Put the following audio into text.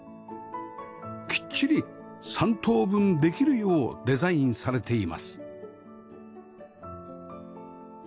きっちり３等分できるようデザインされています